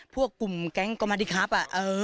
พวกกลุ่มแก๊งกอมาดิครับ